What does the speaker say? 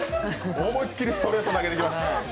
思いっきりストレート投げできました。